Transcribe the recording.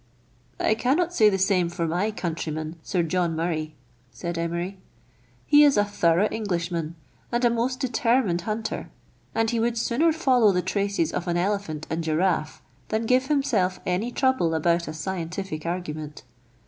" I cannot say the same for my countryman. Sir John Murray," said Emery. " He is a thorough Englishman, and a most determined hunter, and he would sooner follow the traces of an elephant and giraffe than give himself any trouble about a scientific argument.